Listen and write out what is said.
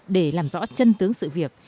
dân tướng sự việc